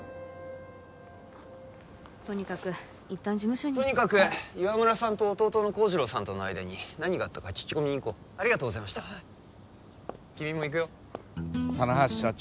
とにかく一旦事務所にとにかく岩村さんと弟の幸次郎さんとの間に何があったか聞き込みに行こうありがとうございました君も行くよ棚橋社長